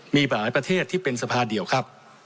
มีหลายประเทศที่เป็นสภาเดียวครับ